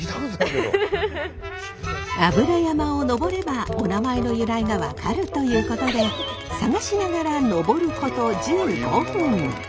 油山を登ればお名前の由来が分かるということで探しながら登ること１５分。